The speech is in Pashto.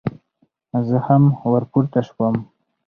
زه هم ور پورته شوم.